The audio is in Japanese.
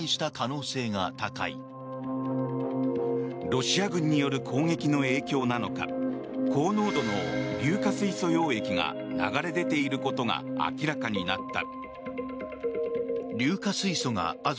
ロシア軍による攻撃の影響なのか高濃度の硫化水素溶液が流れ出ていることが明らかになった。